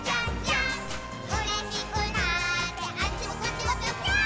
「うれしくなってあっちもこっちもぴょぴょーん」